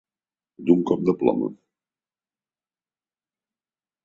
D'un cop de ploma.